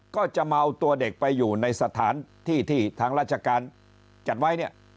ก็จะมาเอาตัวเด็กไปอยู่ในสถานที่ที่ทางราชการจัดไว้เนี่ย